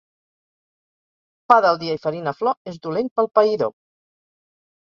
Pa del dia i farina flor és dolent pel païdor.